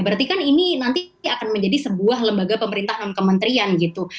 berarti kan ini nanti akan menjadi sebuah lembaga pemerintahan kementerian gitu